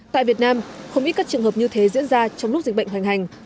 tại việt nam không ít các trường hợp như thế diễn ra trong lúc dịch bệnh hoành hành